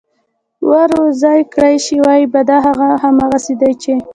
ور روزي كړى شي، وايي به: دا خو همغه دي چې: